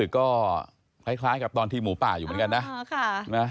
ก็คล้ายกับตอนทีมหมูป่าอยู่เหมือนกันนะ